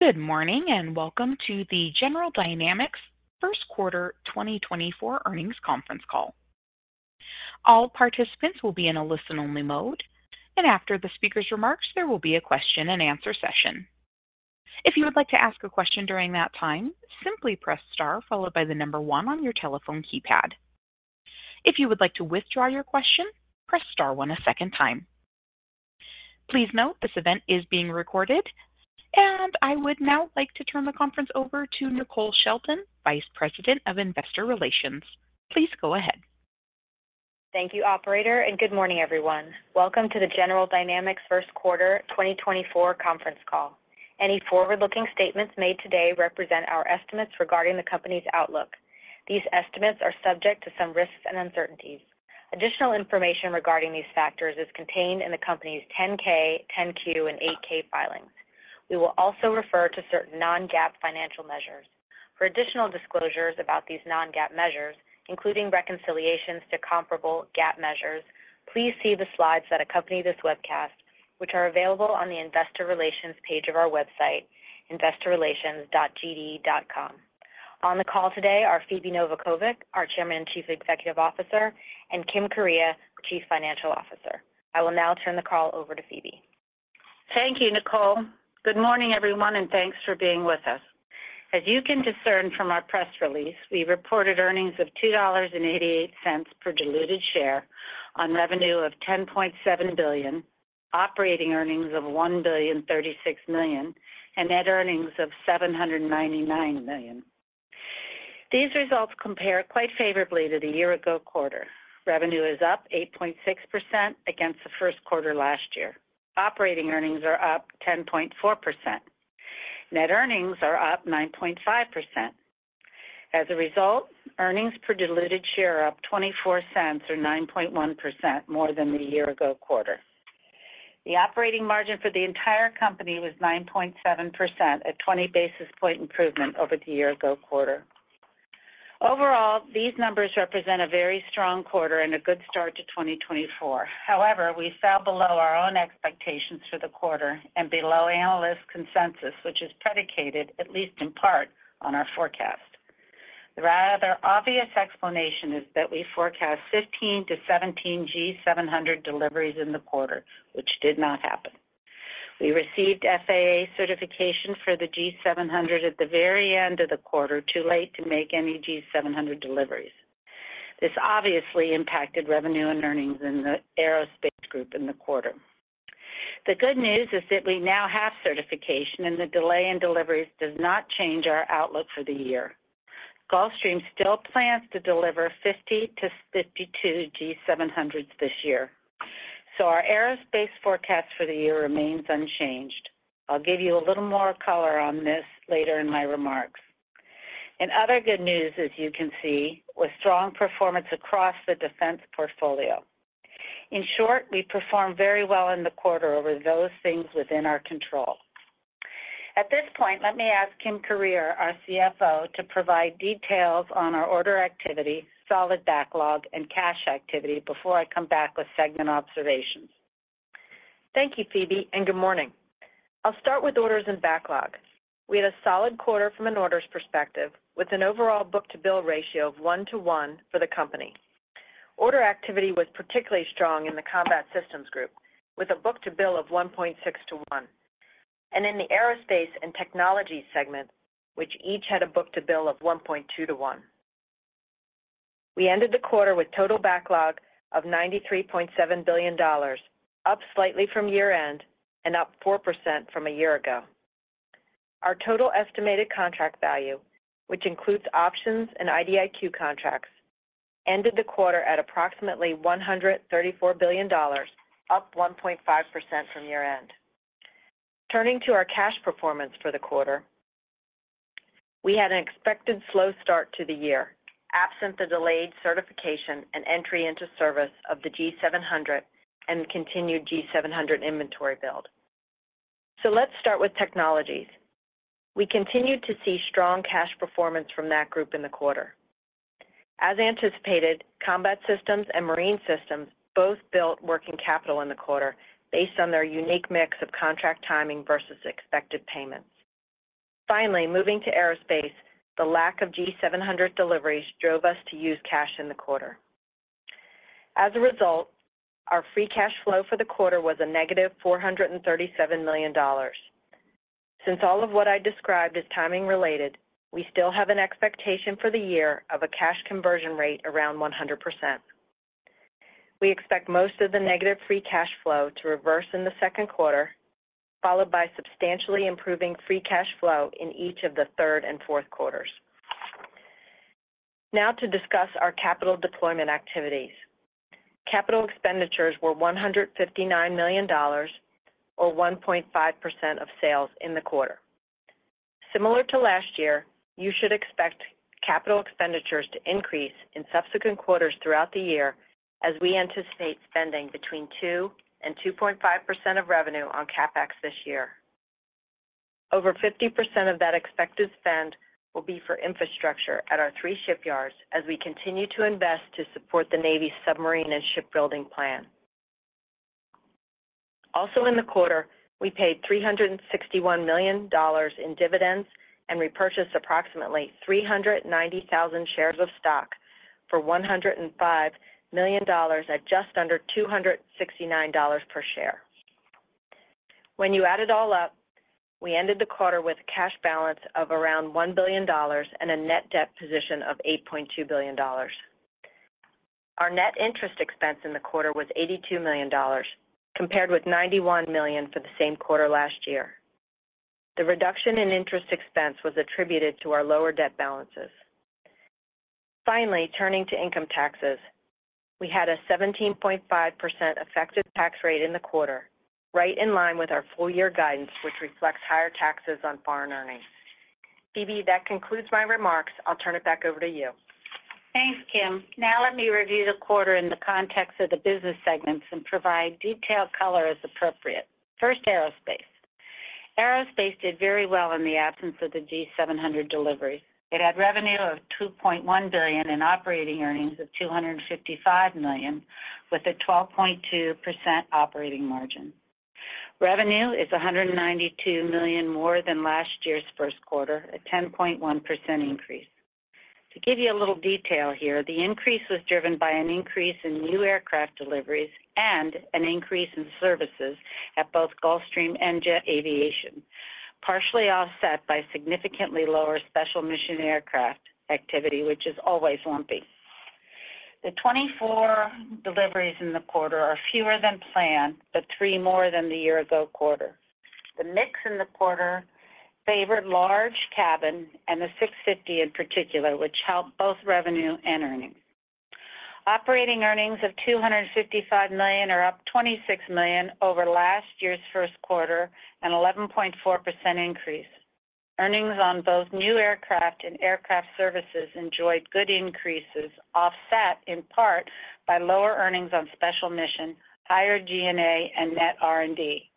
Good morning and welcome to the General Dynamics first quarter 2024 earnings conference call. All participants will be in a listen-only mode, and after the speaker's remarks there will be a question-and-answer session. If you would like to ask a question during that time, simply press star followed by the number 1 on your telephone keypad. If you would like to withdraw your question, press star 1 a second time. Please note this event is being recorded, and I would now like to turn the conference over to Nicole Shelton, Vice President of Investor Relations. Please go ahead. Thank you, operator, and good morning, everyone. Welcome to the General Dynamics first quarter 2024 conference call. Any forward-looking statements made today represent our estimates regarding the company's outlook. These estimates are subject to some risks and uncertainties. Additional information regarding these factors is contained in the company's 10-K, 10-Q, and 8-K filings. We will also refer to certain non-GAAP financial measures. For additional disclosures about these non-GAAP measures, including reconciliations to comparable GAAP measures, please see the slides that accompany this webcast, which are available on the Investor Relations page of our website, investorrelations.gd.com. On the call today are Phebe Novakovic, our Chairman and Chief Executive Officer, and Kim Kuryea, Chief Financial Officer. I will now turn the call over to Phebe. Thank you, Nicole. Good morning, everyone, and thanks for being with us. As you can discern from our press release, we reported earnings of $2.88 per diluted share on revenue of $10.7 billion, operating earnings of $1.36 billion, and net earnings of $799 million. These results compare quite favorably to the year-ago quarter. Revenue is up 8.6% against the first quarter last year. Operating earnings are up 10.4%. Net earnings are up 9.5%. As a result, earnings per diluted share are up $0.24, or 9.1%, more than the year-ago quarter. The operating margin for the entire company was 9.7%, a 20 basis point improvement over the year-ago quarter. Overall, these numbers represent a very strong quarter and a good start to 2024. However, we fell below our own expectations for the quarter and below analyst consensus, which is predicated, at least in part, on our forecast. The rather obvious explanation is that we forecast 15-17 G700 deliveries in the quarter, which did not happen. We received FAA certification for the G700 at the very end of the quarter, too late to make any G700 deliveries. This obviously impacted revenue and earnings in the Aerospace group in the quarter. The good news is that we now have certification, and the delay in deliveries does not change our outlook for the year. Gulfstream still plans to deliver 50-52 G700s this year, so our Aerospace forecast for the year remains unchanged. I'll give you a little more color on this later in my remarks. Other good news, as you can see, was strong performance across the defense portfolio. In short, we performed very well in the quarter over those things within our control. At this point, let me ask Kim Kuryea, our CFO, to provide details on our order activity, solid backlog, and cash activity before I come back with segment observations. Thank you, Phebe, and good morning. I'll start with orders and backlog. We had a solid quarter from an orders perspective, with an overall book-to-bill ratio of 1:1 for the company. Order activity was particularly strong in the Combat Systems group, with a book-to-bill of 1.6:1, and in the Aerospace and Technologies segment, which each had a book-to-bill of 1.2:1. We ended the quarter with total backlog of $93.7 billion, up slightly from year-end and up 4% from a year ago. Our total estimated contract value, which includes options and IDIQ contracts, ended the quarter at approximately $134 billion, up 1.5% from year-end. Turning to our cash performance for the quarter, we had an expected slow start to the year, absent the delayed certification and entry into service of the G700 and continued G700 inventory build. So let's start with technologies. We continued to see strong cash performance from that group in the quarter. As anticipated, Combat Systems and Marine Systems both built working capital in the quarter based on their unique mix of contract timing versus expected payments. Finally, moving to Aerospace, the lack of G700 deliveries drove us to use cash in the quarter. As a result, our free cash flow for the quarter was -$437 million. Since all of what I described is timing-related, we still have an expectation for the year of a cash conversion rate around 100%. We expect most of the negative free cash flow to reverse in the second quarter, followed by substantially improving free cash flow in each of the third and fourth quarters. Now to discuss our capital deployment activities. Capital expenditures were $159 million, or 1.5% of sales, in the quarter. Similar to last year, you should expect capital expenditures to increase in subsequent quarters throughout the year, as we anticipate spending between 2%-2.5% of revenue on CapEx this year. Over 50% of that expected spend will be for infrastructure at our three shipyards as we continue to invest to support the Navy's submarine and shipbuilding plan. Also in the quarter, we paid $361 million in dividends and repurchased approximately 390,000 shares of stock for $105 million at just under $269 per share. When you add it all up, we ended the quarter with a cash balance of around $1 billion and a net debt position of $8.2 billion. Our net interest expense in the quarter was $82 million, compared with $91 million for the same quarter last year. The reduction in interest expense was attributed to our lower debt balances. Finally, turning to income taxes, we had a 17.5% effective tax rate in the quarter, right in line with our full-year guidance, which reflects higher taxes on foreign earnings. Phebe, that concludes my remarks. I'll turn it back over to you. Thanks, Kim. Now let me review the quarter in the context of the business segments and provide detailed color as appropriate. First, Aerospace. Aerospace did very well in the absence of the G700 deliveries. It had revenue of $2.1 billion and operating earnings of $255 million, with a 12.2% operating margin. Revenue is $192 million more than last year's first quarter, a 10.1% increase. To give you a little detail here, the increase was driven by an increase in new aircraft deliveries and an increase in services at both Gulfstream and Jet Aviation, partially offset by significantly lower special mission aircraft activity, which is always lumpy. The 24 deliveries in the quarter are fewer than planned, but three more than the year-ago quarter. The mix in the quarter favored large cabin and the 650 in particular, which helped both revenue and earnings. Operating earnings of $255 million are up $26 million over last year's first quarter, an 11.4% increase. Earnings on both new aircraft and aircraft services enjoyed good increases, offset in part by lower earnings on special mission, higher G&A, and net R&D.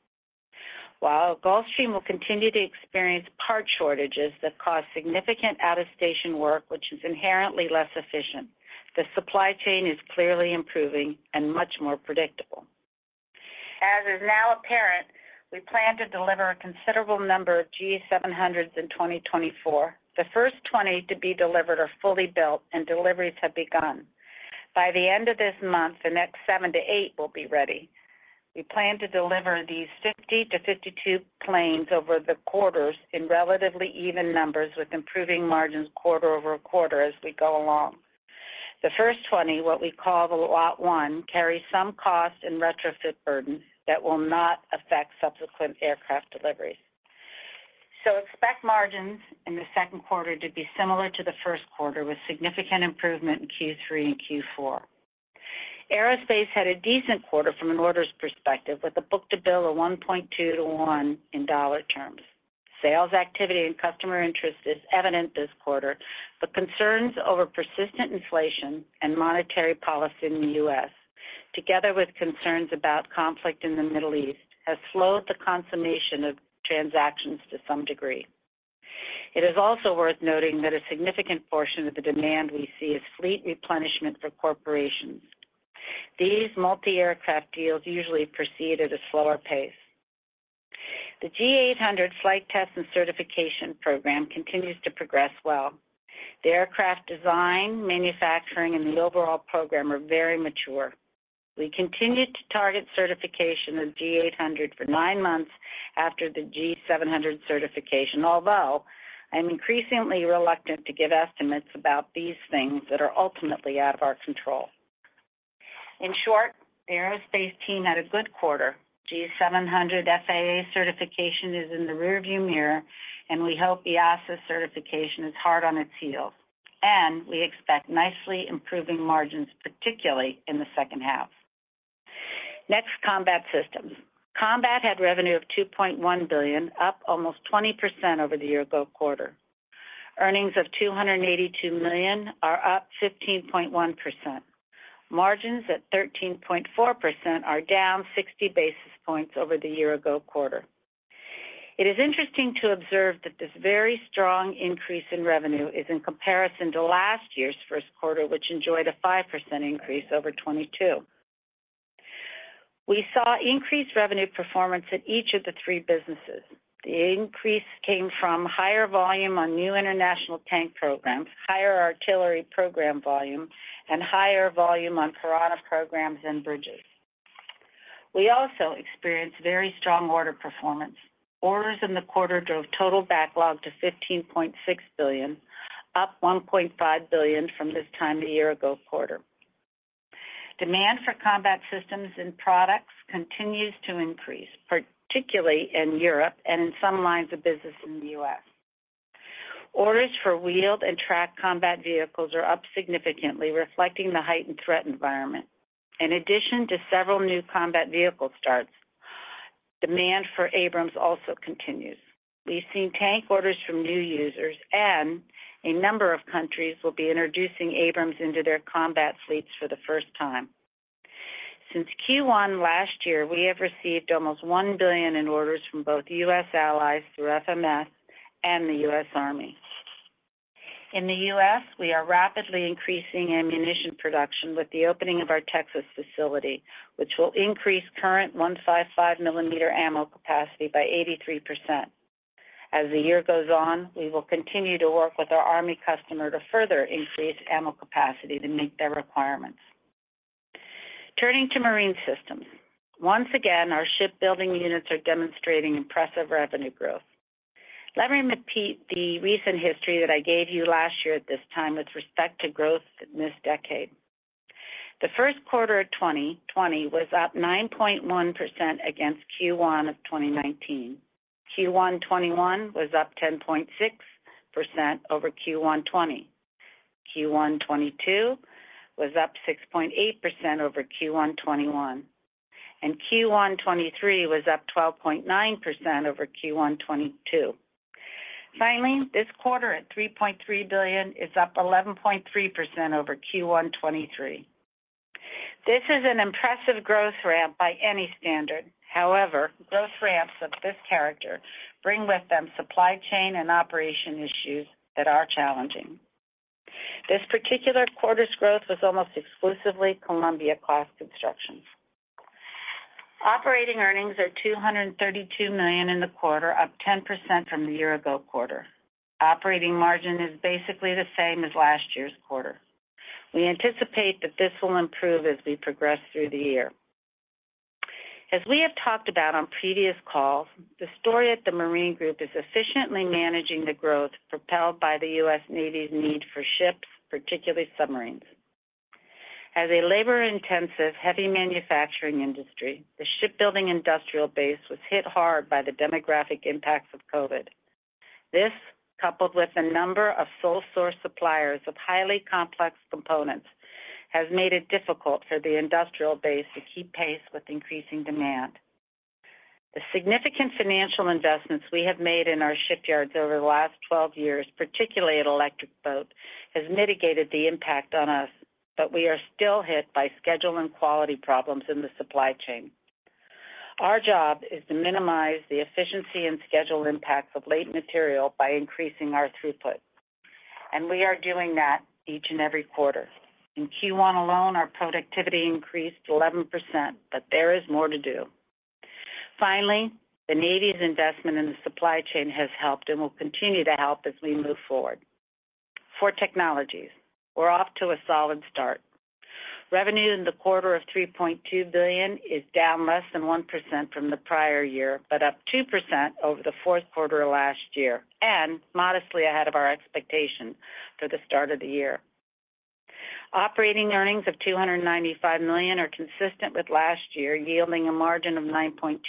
While Gulfstream will continue to experience part shortages that cause significant out-of-station work, which is inherently less efficient, the supply chain is clearly improving and much more predictable. As is now apparent, we plan to deliver a considerable number of G700s in 2024. The first 20 to be delivered are fully built, and deliveries have begun. By the end of this month, the next 7-8 will be ready. We plan to deliver these 50-52 planes over the quarters in relatively even numbers, with improving margins quarter-over-quarter as we go along. The first 20, what we call the Lot 1, carry some cost and retrofit burden that will not affect subsequent aircraft deliveries. So expect margins in the second quarter to be similar to the first quarter, with significant improvement in Q3 and Q4. Aerospace had a decent quarter from an orders perspective, with a book-to-bill of 1.2-to-1 in dollar terms. Sales activity and customer interest is evident this quarter, but concerns over persistent inflation and monetary policy in the U.S., together with concerns about conflict in the Middle East, have slowed the consummation of transactions to some degree. It is also worth noting that a significant portion of the demand we see is fleet replenishment for corporations. These multi-aircraft deals usually proceed at a slower pace. The G800 flight test and certification program continues to progress well. The aircraft design, manufacturing, and the overall program are very mature. We continue to target certification of G800 for nine months after the G700 certification, although I'm increasingly reluctant to give estimates about these things that are ultimately out of our control. In short, the Aerospace team had a good quarter. G700 FAA certification is in the rearview mirror, and we hope EASA certification is hard on its heels, and we expect nicely improving margins, particularly in the second half. Next, Combat Systems. Combat had revenue of $2.1 billion, up almost 20% over the year-ago quarter. Earnings of $282 million are up 15.1%. Margins at 13.4% are down 60 basis points over the year-ago quarter. It is interesting to observe that this very strong increase in revenue is in comparison to last year's first quarter, which enjoyed a 5% increase over 2022. We saw increased revenue performance at each of the three businesses. The increase came from higher volume on new international tank programs, higher artillery program volume, and higher volume on Piranha programs and bridges. We also experienced very strong order performance. Orders in the quarter drove total backlog to $15.6 billion, up $1.5 billion from this time the year-ago quarter. Demand for Combat Systems and products continues to increase, particularly in Europe and in some lines of business in the U.S. Orders for wheeled and track combat vehicles are up significantly, reflecting the heightened threat environment. In addition to several new combat vehicle starts, demand for Abrams also continues. We've seen tank orders from new users, and a number of countries will be introducing Abrams into their combat fleets for the first time. Since Q1 last year, we have received almost $1 billion in orders from both U.S. allies through FMS and the U.S. Army. In the U.S., we are rapidly increasing ammunition production with the opening of our Texas facility, which will increase current 155-millimeter ammo capacity by 83%. As the year goes on, we will continue to work with our Army customer to further increase ammo capacity to meet their requirements. Turning to Marine Systems. Once again, our shipbuilding units are demonstrating impressive revenue growth. Let me repeat the recent history that I gave you last year at this time with respect to growth in this decade. The first quarter of 2020 was up 9.1% against Q1 of 2019. Q1 2021 was up 10.6% over Q1 2020. Q1 2022 was up 6.8% over Q1 2021. And Q1 2023 was up 12.9% over Q1 2022. Finally, this quarter at $3.3 billion is up 11.3% over Q1 2023. This is an impressive growth ramp by any standard. However, growth ramps of this character bring with them supply chain and operation issues that are challenging. This particular quarter's growth was almost exclusively Columbia-class construction. Operating earnings are $232 million in the quarter, up 10% from the year-ago quarter. Operating margin is basically the same as last year's quarter. We anticipate that this will improve as we progress through the year. As we have talked about on previous calls, the story at the Marine group is efficiently managing the growth propelled by the U.S. Navy's need for ships, particularly submarines. As a labor-intensive, heavy manufacturing industry, the shipbuilding industrial base was hit hard by the demographic impacts of COVID. This, coupled with a number of sole-source suppliers of highly complex components, has made it difficult for the industrial base to keep pace with increasing demand. The significant financial investments we have made in our shipyards over the last 12 years, particularly at Electric Boat, have mitigated the impact on us, but we are still hit by schedule and quality problems in the supply chain. Our job is to minimize the efficiency and schedule impacts of late material by increasing our throughput. We are doing that each and every quarter. In Q1 alone, our productivity increased 11%, but there is more to do. Finally, the Navy's investment in the supply chain has helped and will continue to help as we move forward. For technologies, we're off to a solid start. Revenue in the quarter of $3.2 billion is down less than 1% from the prior year, but up 2% over the fourth quarter of last year, and modestly ahead of our expectation for the start of the year. Operating earnings of $295 million are consistent with last year, yielding a margin of 9.2%.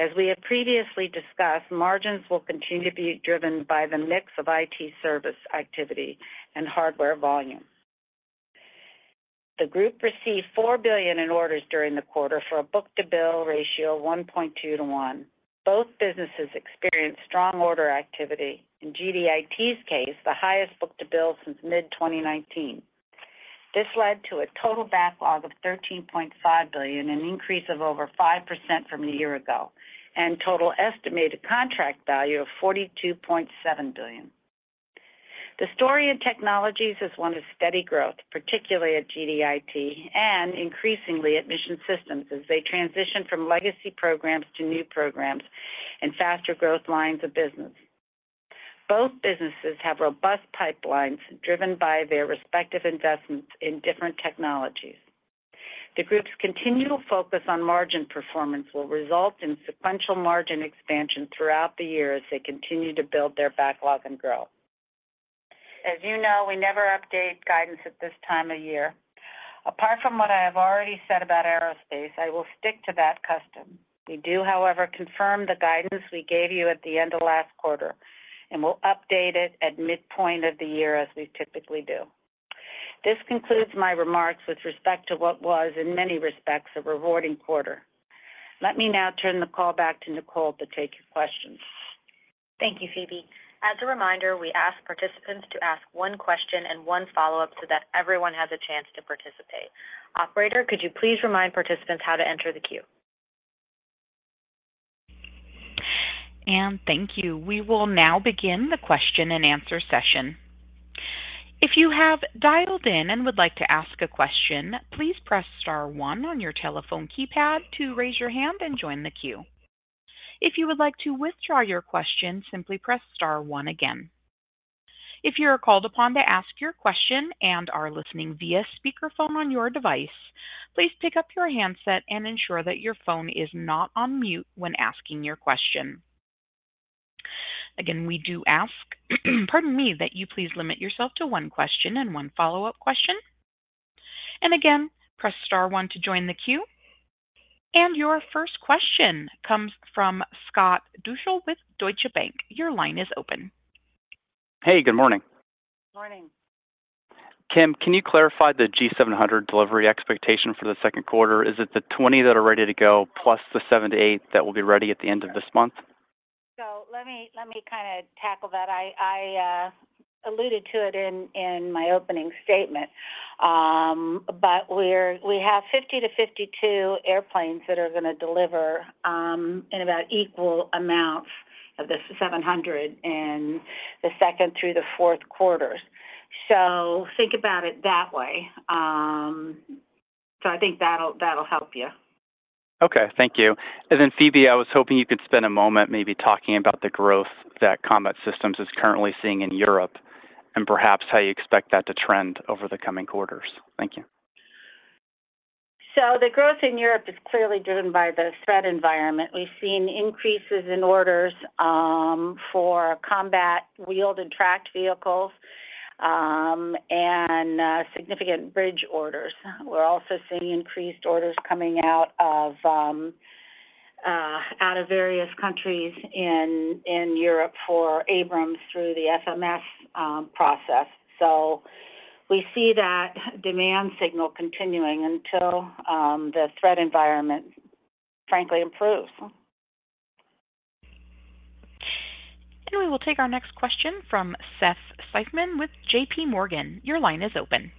As we have previously discussed, margins will continue to be driven by the mix of IT service activity and hardware volume. The group received $4 billion in orders during the quarter for a book-to-bill ratio of 1.2-to-1. Both businesses experienced strong order activity. In GDIT's case, the highest book-to-bill since mid-2019. This led to a total backlog of $13.5 billion, an increase of over 5% from a year ago, and total estimated contract value of $42.7 billion. The story at technologies is one of steady growth, particularly at GDIT, and increasingly at Mission Systems as they transition from legacy programs to new programs and faster growth lines of business. Both businesses have robust pipelines driven by their respective investments in different technologies. The group's continual focus on margin performance will result in sequential margin expansion throughout the year as they continue to build their backlog and grow. As you know, we never update guidance at this time of year. Apart from what I have already said about Aerospace, I will stick to that custom. We do, however, confirm the guidance we gave you at the end of last quarter and will update it at midpoint of the year as we typically do. This concludes my remarks with respect to what was, in many respects, a rewarding quarter. Let me now turn the call back to Nicole to take your questions. Thank you, Phebe. As a reminder, we ask participants to ask one question and one follow-up so that everyone has a chance to participate. Operator, could you please remind participants how to enter the queue? Thank you. We will now begin the question and answer session. If you have dialed in and would like to ask a question, please press star 1 on your telephone keypad to raise your hand and join the queue. If you would like to withdraw your question, simply press star 1 again. If you are called upon to ask your question and are listening via speakerphone on your device, please pick up your handset and ensure that your phone is not on mute when asking your question. Again, we do ask, pardon me, that you please limit yourself to one question and one follow-up question. And again, press star 1 to join the queue. Your first question comes from Scott Deuschle with Deutsche Bank. Your line is open. Hey, good morning. Morning. Kim, can you clarify the G700 delivery expectation for the second quarter? Is it the 20 that are ready to go plus the 7-8 that will be ready at the end of this month? Let me kind of tackle that. I alluded to it in my opening statement, but we have 50-52 airplanes that are going to deliver in about equal amounts of the 700 in the second through the fourth quarters. Think about it that way. I think that'll help you. Okay. Thank you. And then, Phebe, I was hoping you could spend a moment maybe talking about the growth that Combat Systems is currently seeing in Europe and perhaps how you expect that to trend over the coming quarters. Thank you. So the growth in Europe is clearly driven by the threat environment. We've seen increases in orders for combat wheeled and tracked vehicles and significant bridge orders. We're also seeing increased orders coming out of various countries in Europe for Abrams through the FMS process. So we see that demand signal continuing until the threat environment, frankly, improves. We will take our next question from Seth Seifman with JP Morgan. Your line is open.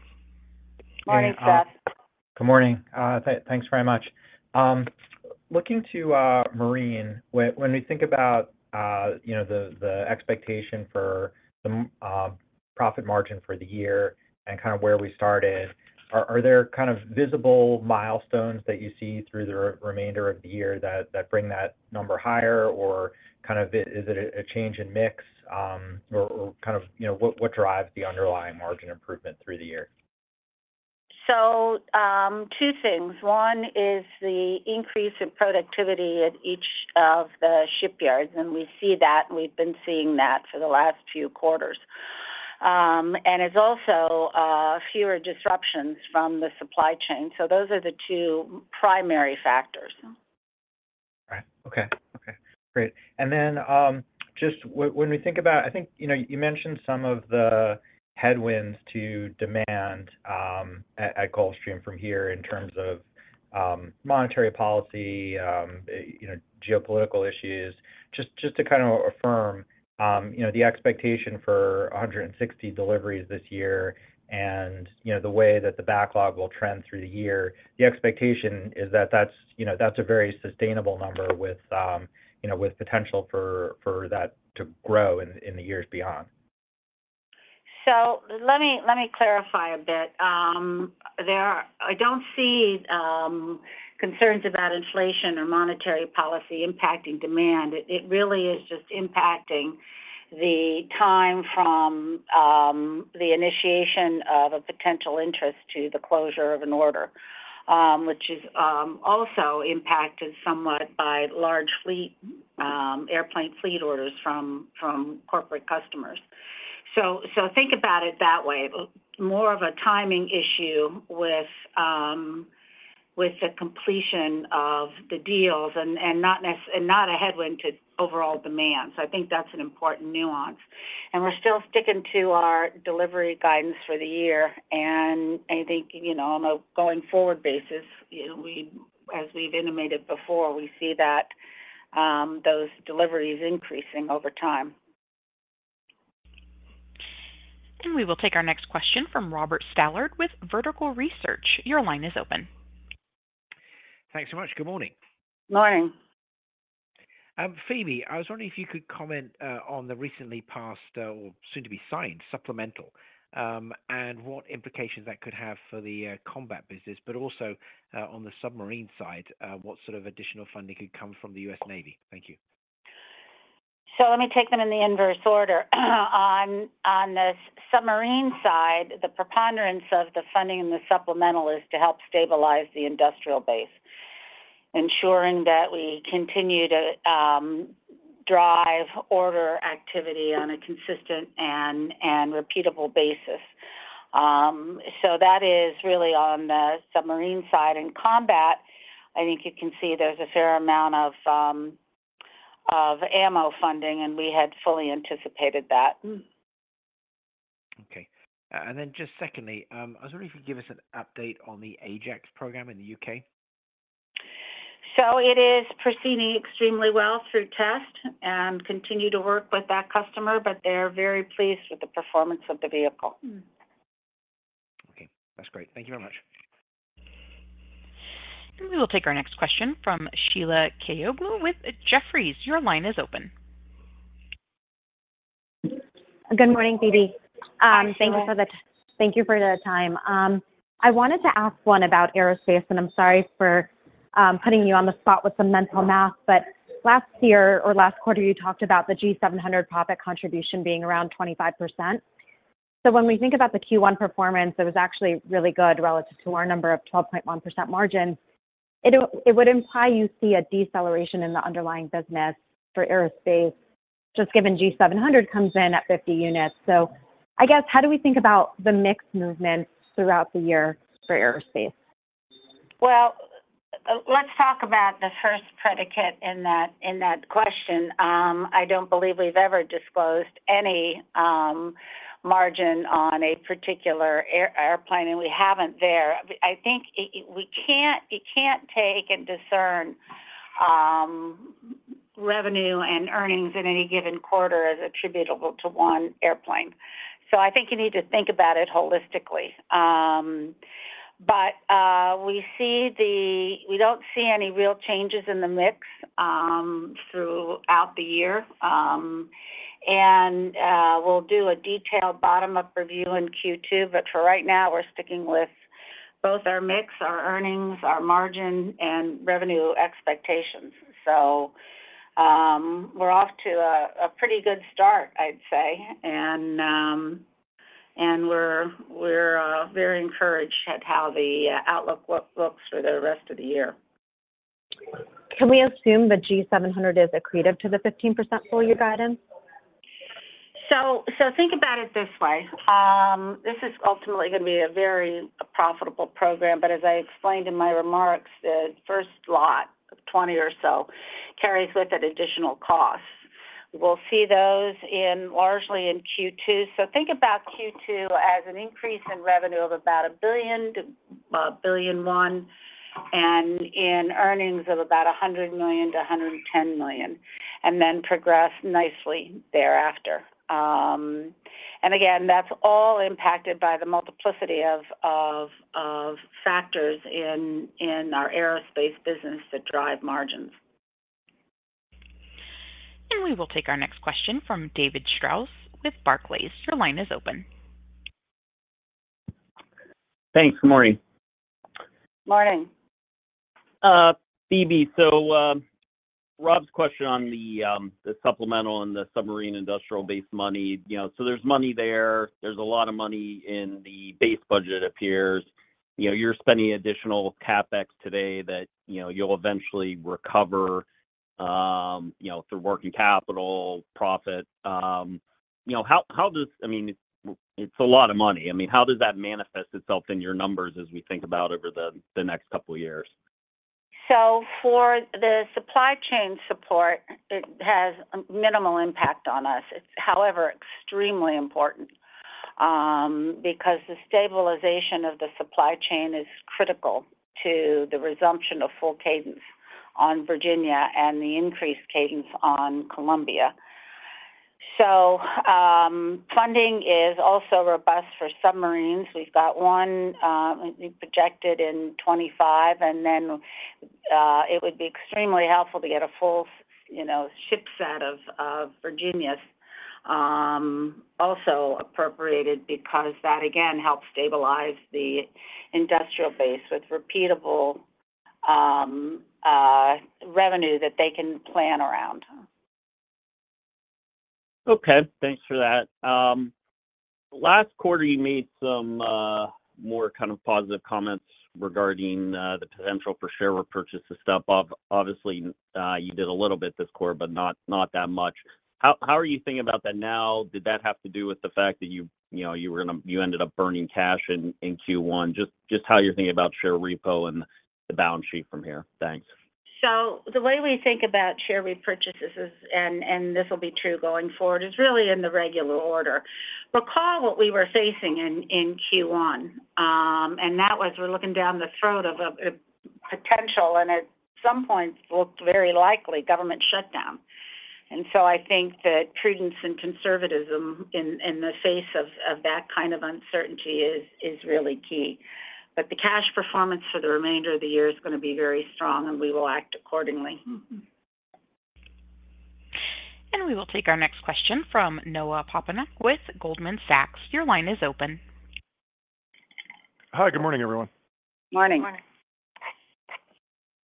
Morning, Seth. Good morning. Thanks very much. Looking to Marine, when we think about the expectation for the profit margin for the year and kind of where we started, are there kind of visible milestones that you see through the remainder of the year that bring that number higher, or kind of is it a change in mix, or kind of what drives the underlying margin improvement through the year? Two things. One is the increase in productivity at each of the shipyards, and we see that, and we've been seeing that for the last few quarters. And it's also fewer disruptions from the supply chain. Those are the two primary factors. Right. Okay. Okay. Great. And then just when we think about, I think you mentioned some of the headwinds to demand at Gulfstream from here in terms of monetary policy, geopolitical issues. Just to kind of affirm the expectation for 160 deliveries this year and the way that the backlog will trend through the year, the expectation is that that's a very sustainable number with potential for that to grow in the years beyond. Let me clarify a bit. I don't see concerns about inflation or monetary policy impacting demand. It really is just impacting the time from the initiation of a potential interest to the closure of an order, which is also impacted somewhat by large airplane fleet orders from corporate customers. Think about it that way. More of a timing issue with the completion of the deals and not a headwind to overall demand. I think that's an important nuance. We're still sticking to our delivery guidance for the year. I think on a going forward basis, as we've intimated before, we see those deliveries increasing over time. We will take our next question from Robert Stallard with Vertical Research. Your line is open. Thanks so much. Good morning. Morning. Phebe, I was wondering if you could comment on the recently passed or soon-to-be signed supplemental and what implications that could have for the combat business, but also on the submarine side, what sort of additional funding could come from the U.S. Navy? Thank you. So let me take them in the inverse order. On the submarine side, the preponderance of the funding in the supplemental is to help stabilize the industrial base, ensuring that we continue to drive order activity on a consistent and repeatable basis. So that is really on the submarine side. In combat, I think you can see there's a fair amount of ammo funding, and we had fully anticipated that. Okay. And then just secondly, I was wondering if you could give us an update on the Ajax program in the UK? It is proceeding extremely well through test and continue to work with that customer, but they're very pleased with the performance of the vehicle. Okay. That's great. Thank you very much. We will take our next question from Sheila Kahyaoglu with Jefferies. Your line is open. Good morning, Phebe. Thank you for the time. I wanted to ask one about Aerospace, and I'm sorry for putting you on the spot with some mental math, but last year or last quarter, you talked about the G700 profit contribution being around 25%. So when we think about the Q1 performance, it was actually really good relative to our number of 12.1% margins. It would imply you see a deceleration in the underlying business for Aerospace, just given G700 comes in at 50 units. So I guess, how do we think about the mixed movements throughout the year for Aerospace? Well, let's talk about the first predicate in that question. I don't believe we've ever disclosed any margin on a particular airplane, and we haven't there. I think you can't take and discern revenue and earnings in any given quarter as attributable to one airplane. So I think you need to think about it holistically. But we don't see any real changes in the mix throughout the year. And we'll do a detailed bottom-up review in Q2, but for right now, we're sticking with both our mix, our earnings, our margin, and revenue expectations. So we're off to a pretty good start, I'd say, and we're very encouraged at how the outlook looks for the rest of the year. Can we assume that G700 is accretive to the 15% full-year guidance? So think about it this way. This is ultimately going to be a very profitable program, but as I explained in my remarks, the first lot of 20 or so carries with it additional costs. We'll see those largely in Q2. So think about Q2 as an increase in revenue of about $1.1 billion, and in earnings of about $100 million-$110 million, and then progress nicely thereafter. And again, that's all impacted by the multiplicity of factors in our Aerospace business that drive margins. We will take our next question from David Strauss with Barclays. Your line is open. Thanks, Morning. Morning. Phebe, so Rob's question on the supplemental and the submarine industrial-based money. So there's money there. There's a lot of money in the base budget, it appears. You're spending additional CapEx today that you'll eventually recover through working capital, profit. How does—I mean, it's a lot of money. I mean, how does that manifest itself in your numbers as we think about over the next couple of years? So for the supply chain support, it has minimal impact on us. It's, however, extremely important because the stabilization of the supply chain is critical to the resumption of full cadence on Virginia and the increased cadence on Columbia. So funding is also robust for submarines. We've got one projected in 2025, and then it would be extremely helpful to get a full ship set of Virginias also appropriated because that, again, helps stabilize the industrial base with repeatable revenue that they can plan around. Okay. Thanks for that. Last quarter, you made some more kind of positive comments regarding the potential for share repurchase to step up. Obviously, you did a little bit this quarter, but not that much. How are you thinking about that now? Did that have to do with the fact that you were going to, you ended up burning cash in Q1? Just how you're thinking about share repo and the balance sheet from here. Thanks. So the way we think about share repurchases, and this will be true going forward, is really in the regular order. Recall what we were facing in Q1, and that was we're looking down the throat of a potential, and at some point, it looked very likely government shutdown. And so I think that prudence and conservatism in the face of that kind of uncertainty is really key. But the cash performance for the remainder of the year is going to be very strong, and we will act accordingly. We will take our next question from Noah Poponak with Goldman Sachs. Your line is open. Hi. Good morning, everyone. Morning. Morning.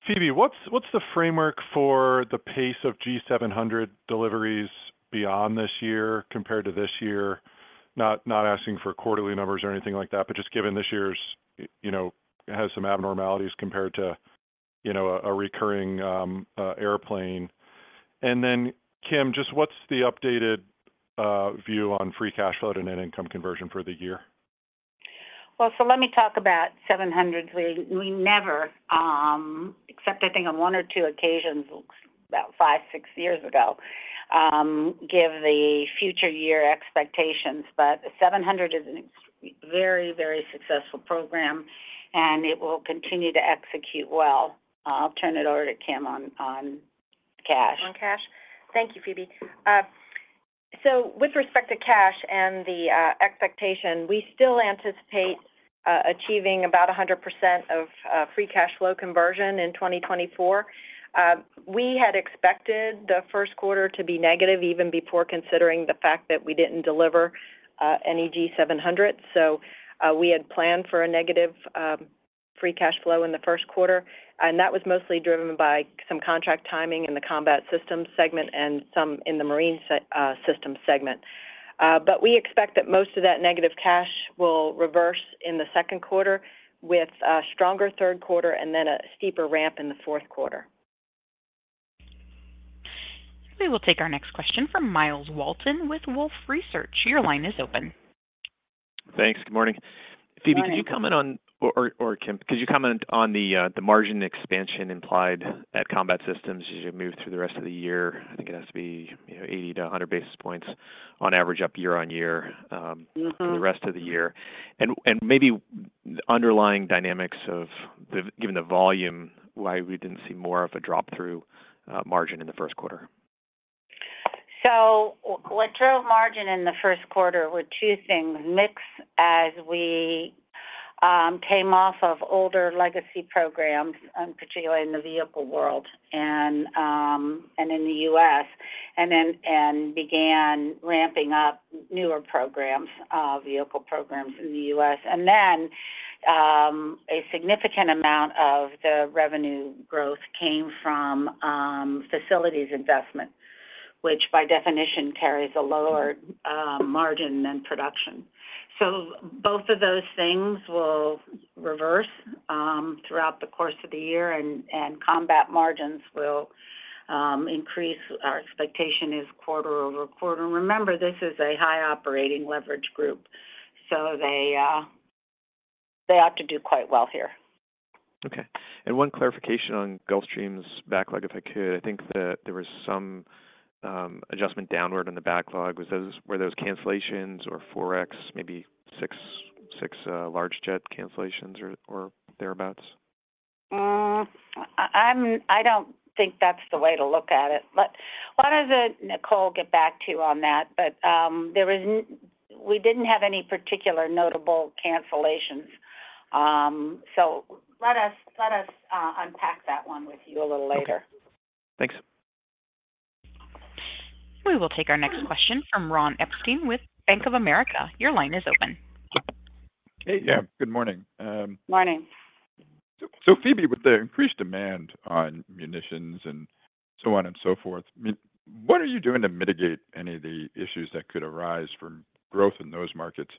Phebe, what's the framework for the pace of G700 deliveries beyond this year compared to this year? Not asking for quarterly numbers or anything like that, but just given this year's has some abnormalities compared to a recurring airplane. And then, Kim, just what's the updated view on free cash flow to net income conversion for the year? Well, so let me talk about 700s. We never, except I think on one or two occasions, about 5, 6 years ago, give the future year expectations. But 700 is a very, very successful program, and it will continue to execute well. I'll turn it over to Kim on cash. On cash. Thank you, Phebe. So with respect to cash and the expectation, we still anticipate achieving about 100% of free cash flow conversion in 2024. We had expected the first quarter to be negative even before considering the fact that we didn't deliver any G700s. So we had planned for a negative free cash flow in the first quarter, and that was mostly driven by some contract timing in the combat system segment and some in the Marine Systems segment. But we expect that most of that negative cash will reverse in the second quarter with a stronger third quarter and then a steeper ramp in the fourth quarter. We will take our next question from Myles Walton with Wolfe Research. Your line is open. Thanks. Good morning. Phebe, could you comment on or Kim, could you comment on the margin expansion implied at Combat Systems as you move through the rest of the year? I think it has to be 80-100 basis points on average up year-over-year for the rest of the year. And maybe the underlying dynamics of, given the volume, why we didn't see more of a drop-through margin in the first quarter. What drove margin in the first quarter were two things: mix as we came off of older legacy programs, particularly in the vehicle world and in the U.S., and then began ramping up newer vehicle programs in the U.S. Then a significant amount of the revenue growth came from facilities investment, which by definition carries a lower margin than production. Both of those things will reverse throughout the course of the year, and combat margins will increase. Our expectation is quarter-over-quarter. Remember, this is a high-operating leverage group, so they ought to do quite well here. Okay. One clarification on Gulfstream's backlog, if I could. I think that there was some adjustment downward in the backlog. Were those cancellations or forex, maybe 6 large jet cancellations or thereabouts? I don't think that's the way to look at it. Let us and Nicole get back to you on that. But we didn't have any particular notable cancellations. So let us unpack that one with you a little later. Thanks. We will take our next question from Ronald Epstein with Bank of America. Your line is open. Hey. Yeah. Good morning. Morning. So Phebe, with the increased demand on munitions and so on and so forth, what are you doing to mitigate any of the issues that could arise from growth in those markets,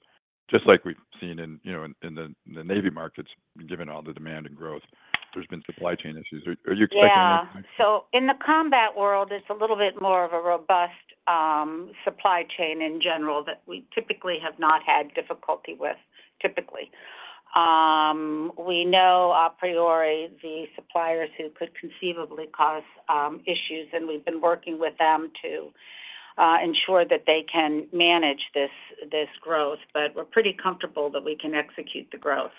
just like we've seen in the Navy markets, given all the demand and growth? There's been supply chain issues. Are you expecting anything? Yeah. So in the combat world, it's a little bit more of a robust supply chain in general that we typically have not had difficulty with, typically. We know a priori the suppliers who could conceivably cause issues, and we've been working with them to ensure that they can manage this growth. But we're pretty comfortable that we can execute the growth.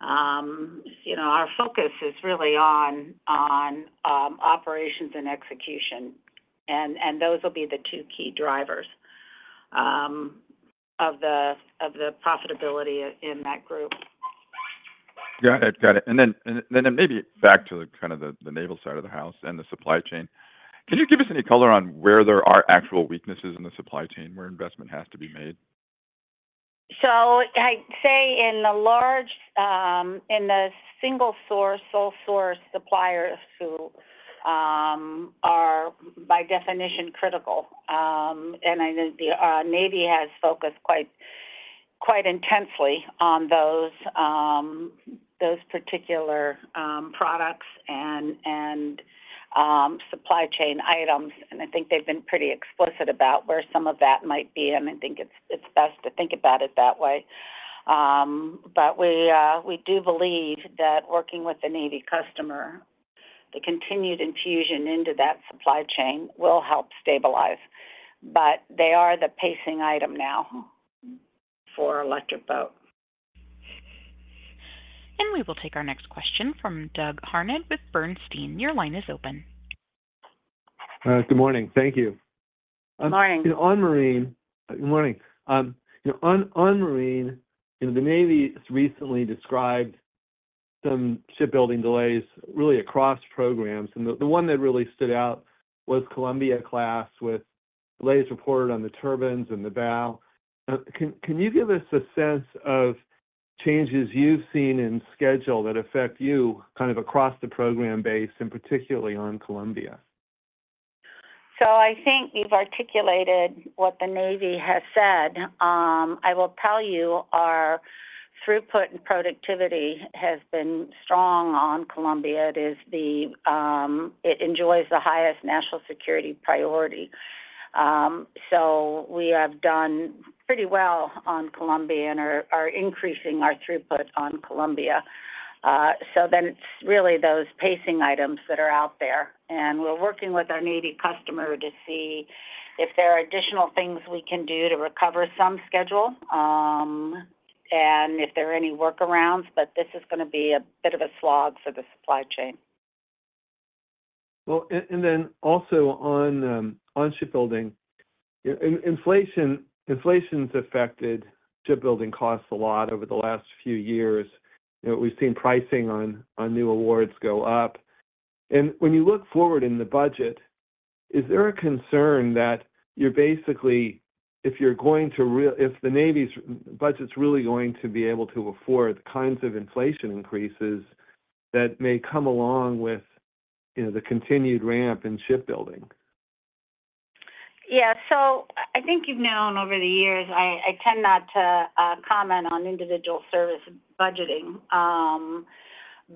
Our focus is really on operations and execution, and those will be the two key drivers of the profitability in that group. Got it. Got it. And then maybe back to kind of the naval side of the house and the supply chain. Can you give us any color on where there are actual weaknesses in the supply chain, where investment has to be made? I'd say in the single source, sole source suppliers who are, by definition, critical. I think the Navy has focused quite intensely on those particular products and supply chain items. I think they've been pretty explicit about where some of that might be, and I think it's best to think about it that way. We do believe that working with the Navy customer, the continued infusion into that supply chain will help stabilize. They are the pacing item now for Electric Boat. We will take our next question from Doug Harned with Bernstein. Your line is open. Good morning. Thank you. Morning. On Marine, good morning. On Marine, the Navy has recently described some shipbuilding delays really across programs. The one that really stood out was Columbia-class with delays reported on the turbines and the bow. Can you give us a sense of changes you've seen in schedule that affect you kind of across the program base, and particularly on Columbia? I think you've articulated what the Navy has said. I will tell you, our throughput and productivity has been strong on Columbia. It enjoys the highest national security priority. We have done pretty well on Columbia and are increasing our throughput on Columbia. Then it's really those pacing items that are out there. We're working with our Navy customer to see if there are additional things we can do to recover some schedule and if there are any workarounds. This is going to be a bit of a slog for the supply chain. Well, and then also on shipbuilding, inflation's affected shipbuilding costs a lot over the last few years. We've seen pricing on new awards go up. And when you look forward in the budget, is there a concern that you're basically, if the Navy's budget's really going to be able to afford the kinds of inflation increases that may come along with the continued ramp in shipbuilding? Yeah. So I think you've known over the years, I tend not to comment on individual service budgeting.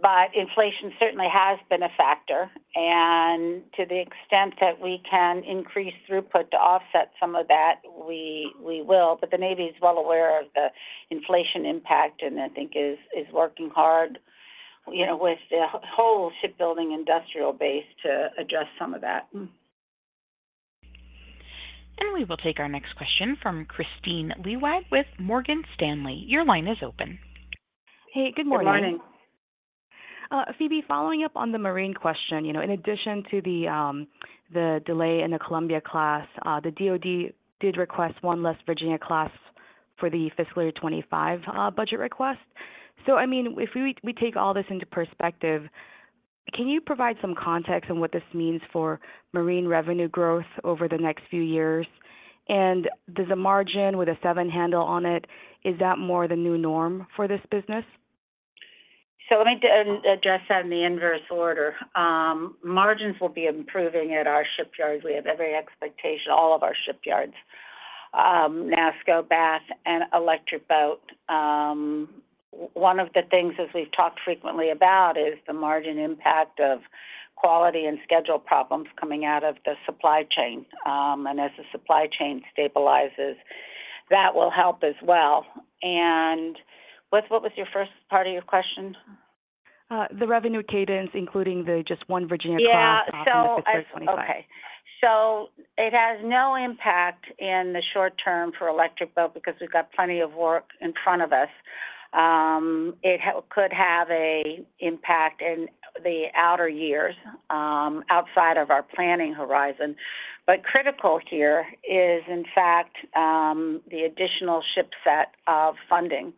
But inflation certainly has been a factor. And to the extent that we can increase throughput to offset some of that, we will. But the Navy is well aware of the inflation impact and I think is working hard with the whole shipbuilding industrial base to address some of that. We will take our next question from Kristine Liwag with Morgan Stanley. Your line is open. Hey. Good morning. Good morning. Phebe, following up on the marine question, in addition to the delay in the Columbia-class, the DOD did request one less Virginia-class for the fiscal year 2025 budget request. So I mean, if we take all this into perspective, can you provide some context on what this means for marine revenue growth over the next few years? And does a margin with a 7 handle on it, is that more the new norm for this business? So let me address that in the inverse order. Margins will be improving at our shipyards. We have every expectation, all of our shipyards, NASSCO, Bath, and Electric Boat. One of the things, as we've talked frequently about, is the margin impact of quality and schedule problems coming out of the supply chain. And as the supply chain stabilizes, that will help as well. And what was your first part of your question? The revenue cadence, including the just one Virginia-class possible in the fiscal year 2025. Yeah. So it has no impact in the short term for Electric Boat because we've got plenty of work in front of us. It could have an impact in the outer years outside of our planning horizon. But critical here is, in fact, the additional ship set of funding.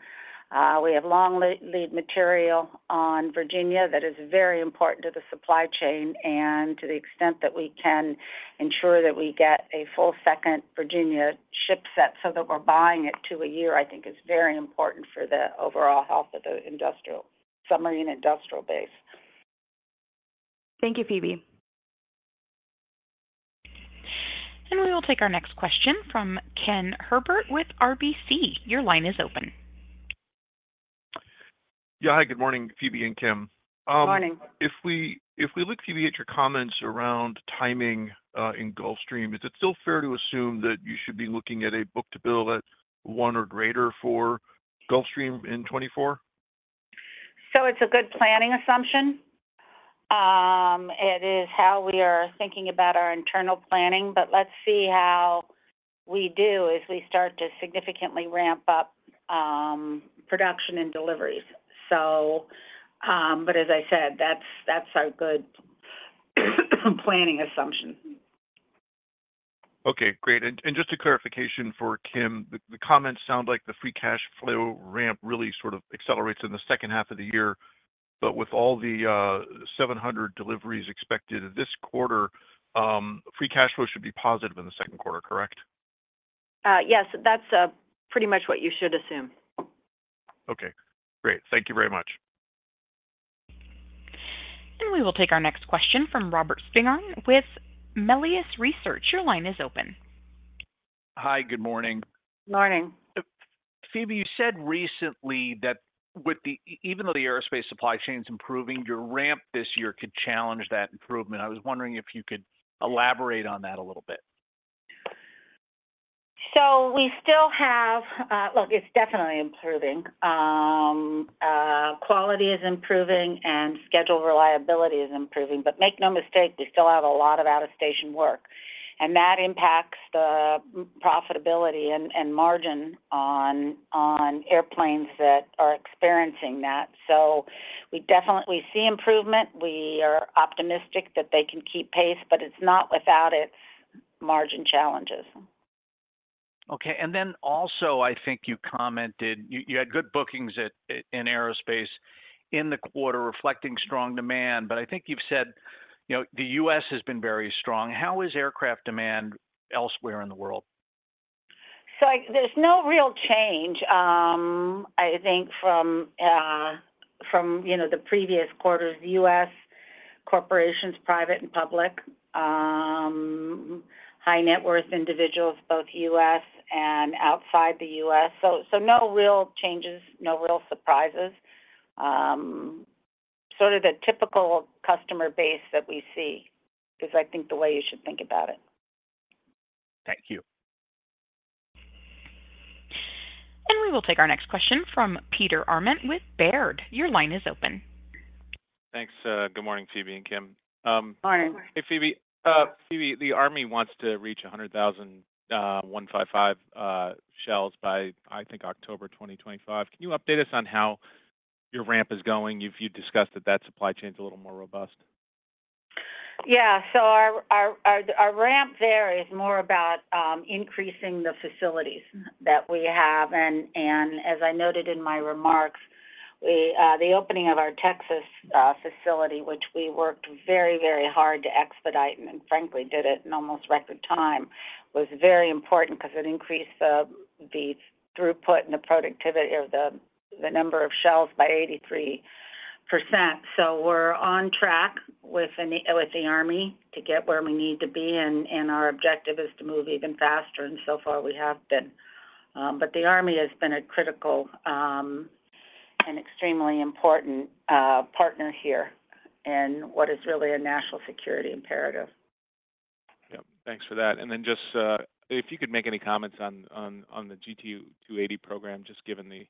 We have long lead material on Virginia that is very important to the supply chain. And to the extent that we can ensure that we get a full second Virginia ship set so that we're buying it to a year, I think is very important for the overall health of the submarine industrial base. Thank you, Phebe. We will take our next question from Ken Herbert with RBC. Your line is open. Yeah. Hi. Good morning, Phebe and Kim. Morning. If we look, Phebe, at your comments around timing in Gulfstream, is it still fair to assume that you should be looking at a book-to-bill at 1 or greater for Gulfstream in 2024? It's a good planning assumption. It is how we are thinking about our internal planning. Let's see how we do as we start to significantly ramp up production and deliveries. As I said, that's our good planning assumption. Okay. Great. Just a clarification for Kim, the comments sound like the free cash flow ramp really sort of accelerates in the second half of the year. With all the 700 deliveries expected this quarter, free cash flow should be positive in the second quarter, correct? Yes. That's pretty much what you should assume. Okay. Great. Thank you very much. We will take our next question from Robert Spingarn with Melius Research. Your line is open. Hi. Good morning. Morning. Phebe, you said recently that even though the Aerospace supply chain's improving, your ramp this year could challenge that improvement. I was wondering if you could elaborate on that a little bit? So we still have, look, it's definitely improving. Quality is improving, and schedule reliability is improving. But make no mistake, we still have a lot of out-of-station work. That impacts the profitability and margin on airplanes that are experiencing that. So we see improvement. We are optimistic that they can keep pace, but it's not without its margin challenges. Okay. And then also, I think you commented you had good bookings in Aerospace in the quarter reflecting strong demand. But I think you've said the U.S. has been very strong. How is aircraft demand elsewhere in the world? So there's no real change, I think, from the previous quarters. U.S. corporations, private and public, high-net-worth individuals, both U.S. and outside the U.S. So no real changes, no real surprises. Sort of the typical customer base that we see is, I think, the way you should think about it. Thank you. We will take our next question from Peter Arment with Baird. Your line is open. Thanks. Good morning, Phebe and Kim. Morning. Hey, Phebe. Phebe, the Army wants to reach 100,000 155mm shells by, I think, October 2025. Can you update us on how your ramp is going? You've discussed that that supply chain's a little more robust. Yeah. So our ramp there is more about increasing the facilities that we have. And as I noted in my remarks, the opening of our Texas facility, which we worked very, very hard to expedite and, frankly, did it in almost record time, was very important because it increased the throughput and the productivity of the number of shells by 83%. So we're on track with the Army to get where we need to be, and our objective is to move even faster. And so far, we have been. But the Army has been a critical and extremely important partner here in what is really a national security imperative. Yep. Thanks for that. And then just if you could make any comments on the G280 program, just given the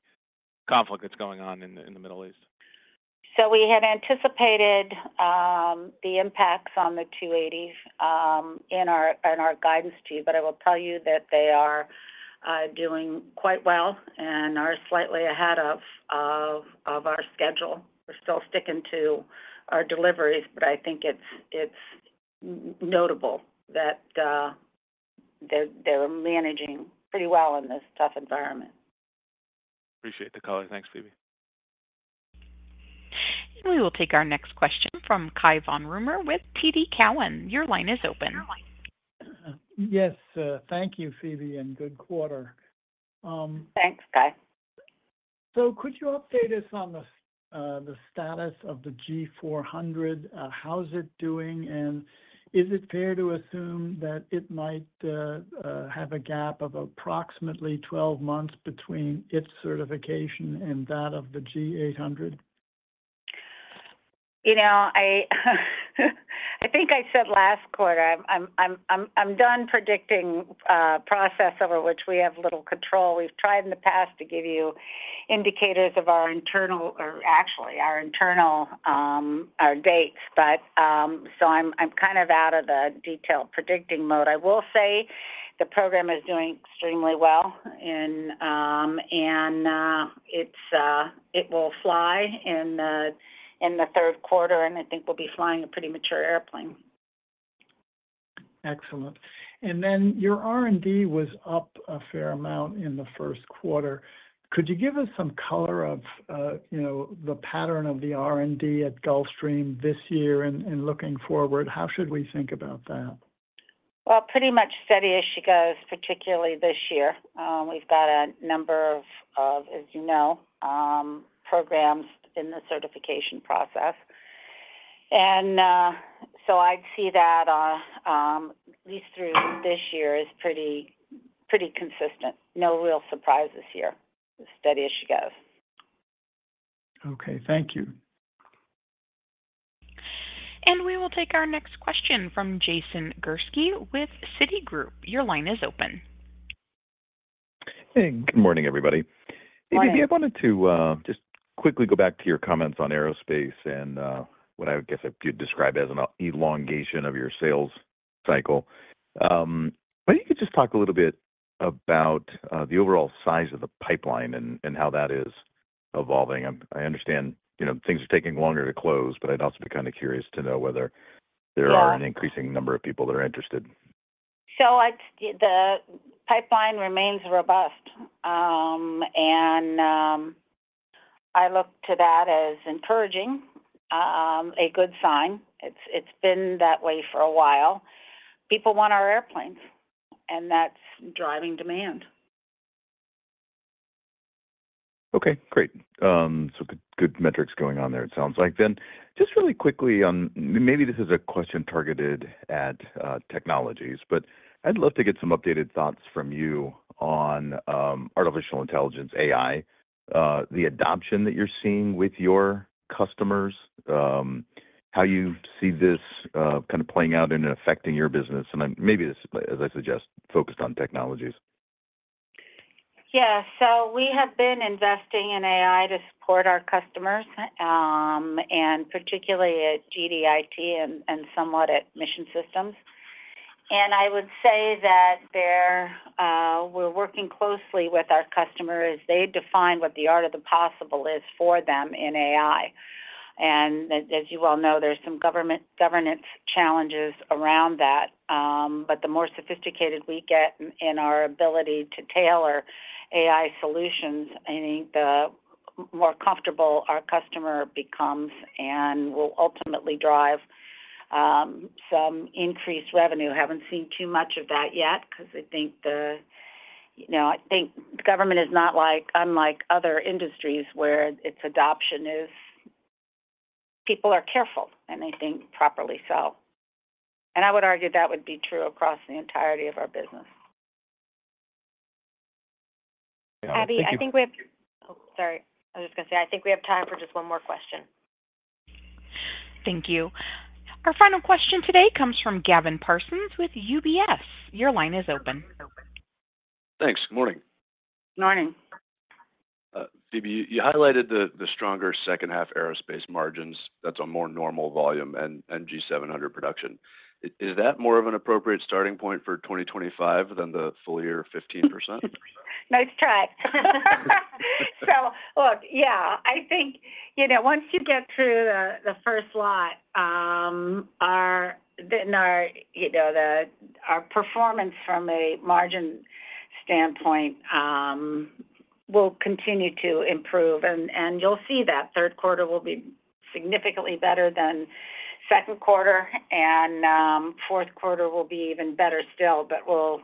conflict that's going on in the Middle East? We had anticipated the impacts on the 280 in our guidance to you. But I will tell you that they are doing quite well and are slightly ahead of our schedule. We're still sticking to our deliveries, but I think it's notable that they're managing pretty well in this tough environment. Appreciate the color. Thanks, Phebe. We will take our next question from Cai von Rumohr with TD Cowen. Your line is open. Yes. Thank you, Phebe, and good quarter. Thanks, Kai. Could you update us on the status of the G400? How's it doing? Is it fair to assume that it might have a gap of approximately 12 months between its certification and that of the G800? I think I said last quarter. I'm done predicting a process over which we have little control. We've tried in the past to give you indicators of our internal or actually, our dates. So I'm kind of out of the detailed predicting mode. I will say the program is doing extremely well, and it will fly in the third quarter, and I think we'll be flying a pretty mature airplane. Excellent. And then your R&D was up a fair amount in the first quarter. Could you give us some color of the pattern of the R&D at Gulfstream this year and looking forward? How should we think about that? Well, pretty much steady as she goes, particularly this year. We've got a number of, as you know, programs in the certification process. And so I'd see that at least through this year as pretty consistent. No real surprises here. Steady as she goes. Okay. Thank you. We will take our next question from Jason Gursky with Citigroup. Your line is open. Hey. Good morning, everybody. Phebe, I wanted to just quickly go back to your comments on Aerospace and what I guess you'd describe as an elongation of your sales cycle. But if you could just talk a little bit about the overall size of the pipeline and how that is evolving. I understand things are taking longer to close, but I'd also be kind of curious to know whether there are an increasing number of people that are interested. The pipeline remains robust, and I look to that as encouraging, a good sign. It's been that way for a while. People want our airplanes, and that's driving demand. Okay. Great. So good metrics going on there, it sounds like. Then just really quickly, maybe this is a question targeted at technologies, but I'd love to get some updated thoughts from you on artificial intelligence, AI, the adoption that you're seeing with your customers, how you see this kind of playing out and affecting your business. And maybe this, as I suggest, focused on technologies. Yeah. So we have been investing in AI to support our customers, and particularly at GDIT and somewhat at Mission Systems. And I would say that we're working closely with our customers as they define what the art of the possible is for them in AI. And as you well know, there's some governance challenges around that. But the more sophisticated we get in our ability to tailor AI solutions, I think the more comfortable our customer becomes and will ultimately drive some increased revenue. Haven't seen too much of that yet because I think the government is not unlike other industries where its adoption is people are careful, and they think properly so. And I would argue that would be true across the entirety of our business. Abby, I think we have oh, sorry. I was just going to say I think we have time for just one more question. Thank you. Our final question today comes from Gavin Parsons with UBS. Your line is open. Thanks. Good morning. Morning. Phebe, you highlighted the stronger second-half Aerospace margins. That's on more normal volume and G700 production. Is that more of an appropriate starting point for 2025 than the full year 15%? Nice track. So look, yeah, I think once you get through the first lot, then our performance from a margin standpoint will continue to improve. And you'll see that third quarter will be significantly better than second quarter, and fourth quarter will be even better still. But we will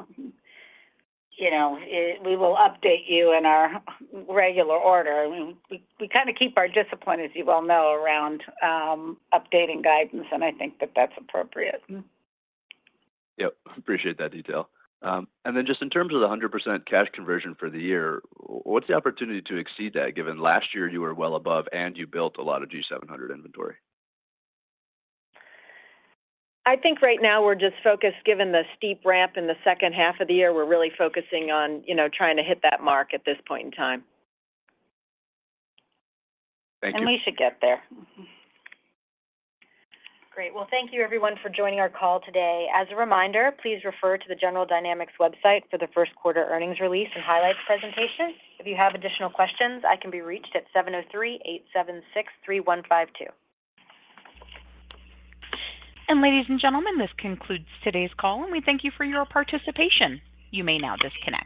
update you in our regular order. We kind of keep our discipline, as you well know, around updating guidance, and I think that that's appropriate. Yep. Appreciate that detail. And then just in terms of the 100% cash conversion for the year, what's the opportunity to exceed that given last year you were well above and you built a lot of G700 inventory? I think right now we're just focused, given the steep ramp in the second half of the year, we're really focusing on trying to hit that mark at this point in time. Thank you. We should get there. Great. Well, thank you, everyone, for joining our call today. As a reminder, please refer to the General Dynamics website for the first quarter earnings release and highlights presentation. If you have additional questions, I can be reached at 703-876-3152. Ladies and gentlemen, this concludes today's call, and we thank you for your participation. You may now disconnect.